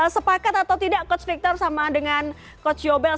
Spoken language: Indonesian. sepakat atau tidak coach victor sama dengan coach yobel